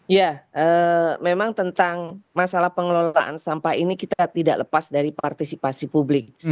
ya memang tentang masalah pengelolaan sampah ini kita tidak lepas dari partisipasi publik